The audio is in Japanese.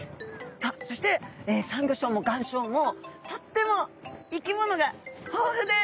さあそしてサンギョ礁も岩礁もとっても生き物が豊富です。